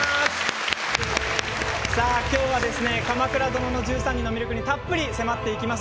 今日は「鎌倉殿の１３人」の魅力にたっぷり迫っていきます。